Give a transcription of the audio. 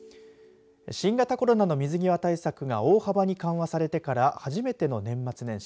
新型コロナの水際対策が大幅に緩和されてから初めての年末年始。